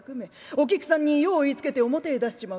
お菊さんに用を言いつけて表へ出しちまう。